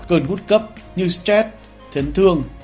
cơn gút cấp như stress thấn thương